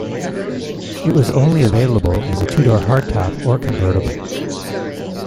It was only available as a two-door hardtop or convertible.